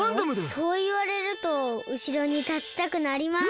そういわれるとうしろにたちたくなります。